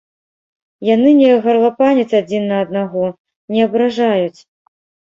Яны не гарлапаняць адзін на аднаго, не абражаюць!